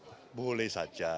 tetapi itu tadi saya katakan